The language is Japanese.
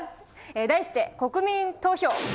題して、国民投票！